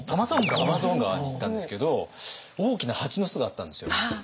アマゾン川に行ったんですけど大きな蜂の巣があったんですよ。